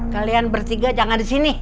kalian bertiga jangan disini